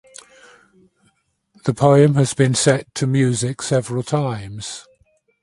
The poem has been set to music several times.